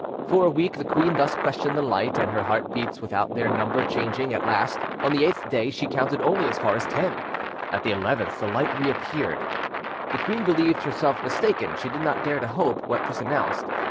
For a week the queen thus questioned the light and her heart beats without their number changing; at last, on the eighth day, she counted only as far as ten; at the eleventh the light reappeared. The queen believed herself mistaken: she did not dare to hope what this announced.